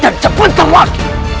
dan cepat lagi